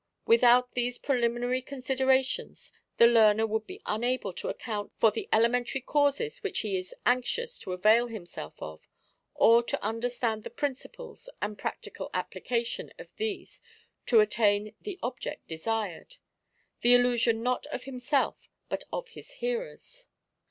Without these preliminary considerations the learner would be unable to account for the elementary causes which he is anxious to avail himself of, or to understand the principles and practical application of these to attain the object desired — the illusion not of himself but of his hearers.